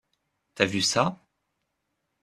T'as vu ça?